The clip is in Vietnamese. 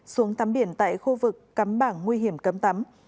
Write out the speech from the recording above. xuống tắm biển tại khu vực cắm bảng nguy hiểm cấm tắm